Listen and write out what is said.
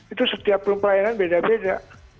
itu setiap pelayanan beda beda